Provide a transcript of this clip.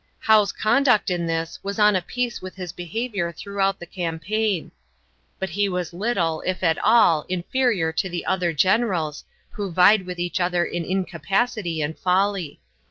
Howe's conduct in this was on a piece with his behavior throughout the campaign; but he was little, if at all, inferior to the other generals, who vied with each other in incapacity and folly.